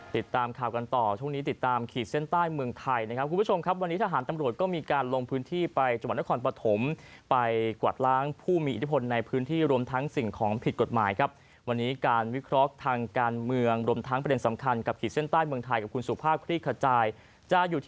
ติดตามข่าวกันต่อช่วงนี้ติดตามขีดเส้นใต้เมืองไทยนะครับคุณผู้ชมครับวันนี้ทหารตำรวจก็มีการลงพื้นที่ไปจังหวัดนครปฐมไปกวาดล้างผู้มีอิทธิพลในพื้นที่รวมทั้งสิ่งของผิดกฎหมายครับวันนี้การวิเคราะห์ทางการเมืองรวมทั้งประเด็นสำคัญกับขีดเส้นใต้เมืองไทยกับคุณสุภาพคลี่ขจายจะอยู่ที่